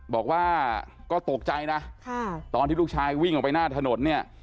บอกว่าก็ตกใจนะตอนที่ลูกชายวิ่งออกไปหน้าถนนเนี่ย